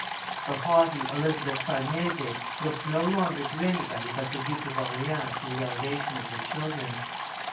The haughty Elizabeth Farnese looked no longer to anybody but the Duke of Orleans for the elevation of her children.